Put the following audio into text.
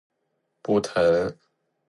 不疼